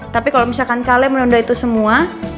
tapi kalau misalkan kalian menunda itu semua